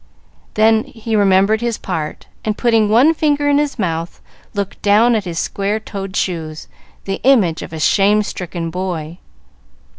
Then he remembered his part, and, putting one finger in his mouth, looked down at his square toed shoes, the image of a shame stricken boy.